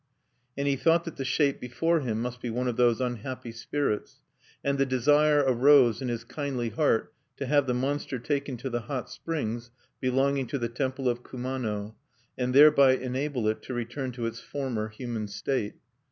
And he thought that the shape before him must be one of those unhappy spirits; and the desire arose in his kindly heart to have the monster taken to the hot springs belonging to the temple of Kumano, and thereby enable it to return to its former human state.